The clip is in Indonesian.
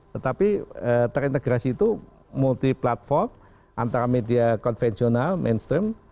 tetapi terintegrasi itu multiplatform antara media konvensional mainstream